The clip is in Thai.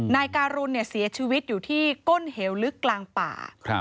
นายการุณเสียชีวิตอยู่ที่ก้นเหวลึกกลางป่า